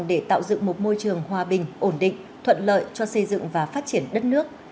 để tạo dựng một môi trường hòa bình ổn định thuận lợi cho xây dựng và phát triển đất nước